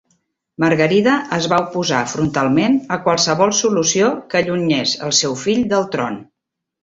Margarida es va oposar frontalment a qualsevol solució que allunyés el seu fill del tron.